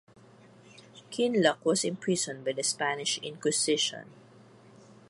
Kinloch was imprisoned by the Spanish Inquisition.